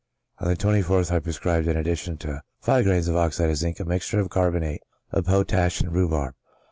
On the 24th, I prescribed, in addition to gr.v of oxide of zinc, a mixture of carbonate of potash and rhubarb.